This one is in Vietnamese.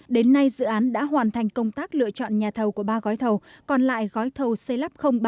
đến nay dự án đã hoàn thành công tác lựa chọn nhà thầu của ba gói thầu còn lại gói thầu xây lắp ba